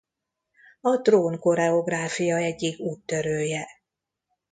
A drón-koreográfia egyik úttörője.